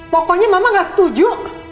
pokoknya mama gak setuju